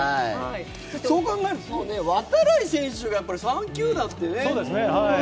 そう考えると、度会選手が３球団ってね。